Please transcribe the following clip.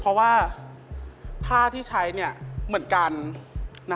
เพราะว่าผ้าที่ใช้เหมือนกัน